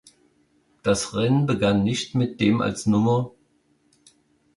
Das Rennen begann nicht mit dem als Nr.